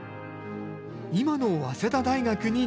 今の早稲田大学に入学。